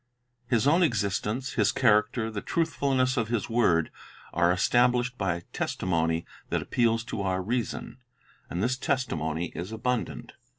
His own existence, His character, the truthfulness of His word, are established by testimony that appeals to our reason; and this testimony is abundant.